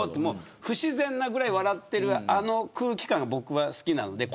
不自然なぐらい笑っているあの空気感が僕は好きです。